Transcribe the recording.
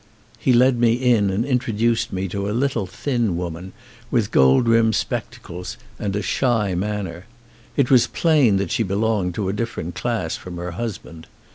He led me in and introduced me to a little thin woman, with gold rimmed spectacles and a shy manner. It was plain that she belonged to a dif ferent class from her husband.